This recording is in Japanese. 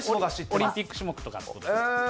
オリンピック種目だってことですか？